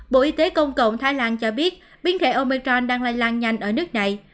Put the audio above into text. bộ y tế công cộng thái lan cho biết biến thể omicron đang lanh lanh nhanh ở nước này